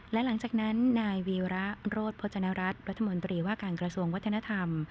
และหลังจากนั้นนายวีระโรธพจนรัฐรัฐรัฐมนตรีว่าการกระทรวงวัฒนธรรม